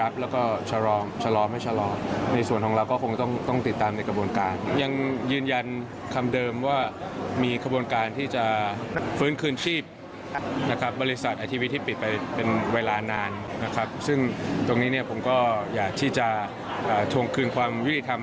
ประเภทที่นี่ผมจะต้องคืนความยุติธรรม